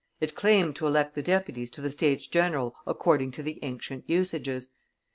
It claimed to elect the deputies to the States general according to the ancient usages.